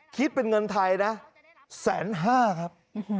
คิดเป็นเงินไทยนะ๑๕๐๐ครับ